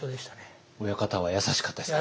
親方は優しかったですか。